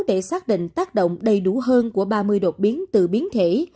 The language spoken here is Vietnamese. để xác định tác động đầy đủ hơn của ba mươi đột biến từ biến thể